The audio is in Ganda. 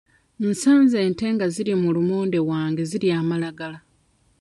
Nsanze ente nga ziri mu lumonde wange zirya amalagala.